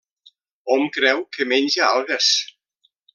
Hom creu que menja algues.